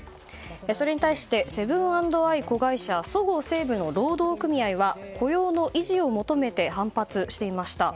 それに対してセブン＆アイ子会社のそごう・西武の労働組合は雇用の維持を求めて反発していました。